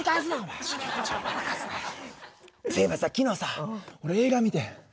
そういえばさ昨日さ俺映画見てん。